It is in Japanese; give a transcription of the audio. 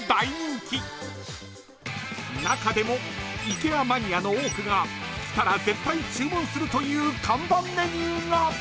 ［中でもＩＫＥＡマニアの多くが来たら絶対注文するという看板メニューが］